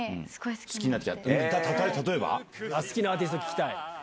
好きなアーティスト聞きたい。